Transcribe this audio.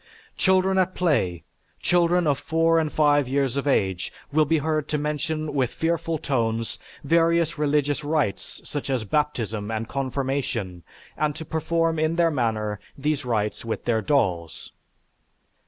Children at play, children of four and five years of age, will be heard to mention with fearful tones various religious rites, such as baptism and confirmation, and to perform in their manner these rites with their dolls.